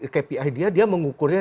kpi dia mengukurnya